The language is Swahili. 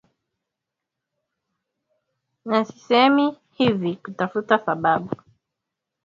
na sisemi hivi kutafuta sababu